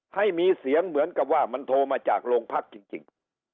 ให้มีเสียงเหมือนกับว่ามันโทรมาจากโรงพักจริง